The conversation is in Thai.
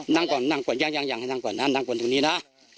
นั่งก่อนนั่งก่อนยังนั่งก่อนตรงนี้นะ